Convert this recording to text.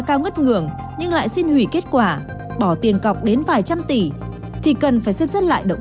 cao ngất ngường nhưng lại xin hủy kết quả bỏ tiền cọc đến vài trăm tỷ thì cần phải xem xét lại động